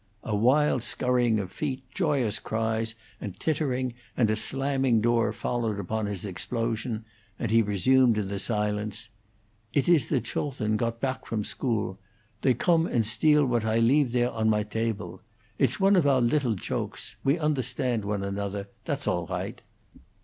A wild scurrying of feet, joyous cries and tittering, and a slamming door followed upon his explosion, and he resumed in the silence: "Idt is the children cot pack from school. They gome and steal what I leaf there on my daple. Idt's one of our lidtle chokes; we onderstand one another; that's all righdt.